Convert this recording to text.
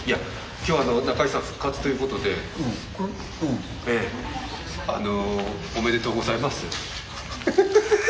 今日、中居さん復活ということで、おめでとうございます。